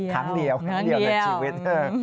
คังเดียวถึงชีวิต